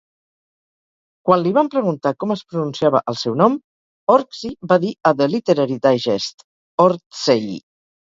Quan li van preguntar com es pronunciava el seu nom, Orczy va dir a "The Literary Digest": "Or-tsey".